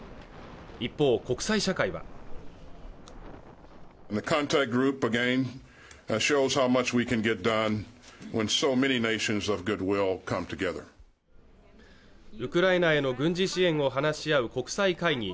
一方国際社会はウクライナへの軍事支援を話し合う国際会議